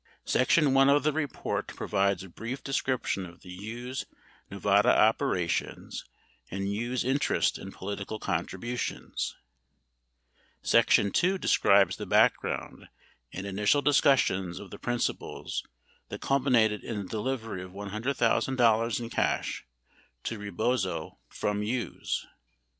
Section I of the report provides a brief description of the Hughes Nevada operations and Hughes' interest in political contributions. Section II describes the background and initial discussions of the principals that culminated in the delivery of $100,000 in cash to Rebozo from Hughes.